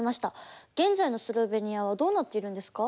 現在のスロベニアはどうなっているんですか？